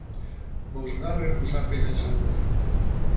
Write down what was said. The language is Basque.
Bosgarren luzapena izango da.